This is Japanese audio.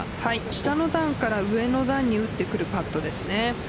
下の段から上の段に打ってくるパットですね。